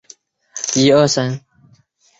硫唑嘌呤被视为是致癌物的一种。